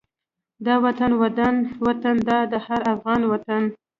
دا وطن ودان وطن دا د هر افغان وطن